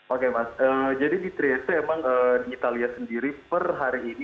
oke mas jadi di triaste emang di italia sendiri per hari ini